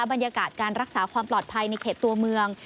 บรรยากาศการรักษาความปลอดภัยในเขตตัวเมือง